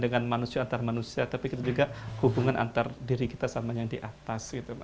dengan manusia antar manusia tapi kita juga hubungan antar diri kita sama yang di atas gitu